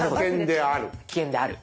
危険である。